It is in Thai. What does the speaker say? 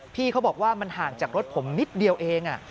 พี่เขาบอกว่ามันห่างจากรถผมนิดเดียวเอง